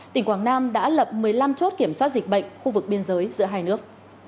tỉnh quảng nam đã lập một mươi năm chốt kiểm soát dịch bệnh khu vực biên giới giữa hai nước